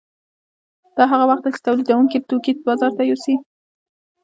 دا هغه وخت دی چې تولیدونکي توکي بازار ته یوسي